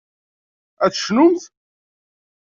Ad tecnumt?